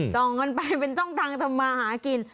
ส่องกันไปเป็นช่องทางทำมาหากิน